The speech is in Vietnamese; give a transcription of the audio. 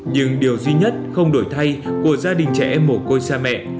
nhưng điều duy nhất không đổi thay của gia đình trẻ em mổ côi xa mẹ